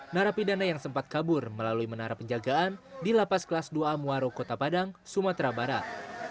narapidana yang sempat kabur melalui menara penjagaan di lapas kelas dua a muaro kota padang sumatera barat